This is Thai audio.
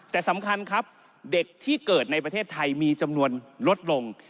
แต่สำคัญครับเด็กที่เกิดในประเทศไทยมีจำนวนลดลง